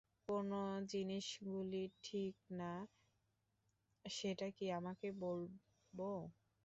কোন জিনিসগুলি ঠিক না, সেটা কি আমাকে বলবো?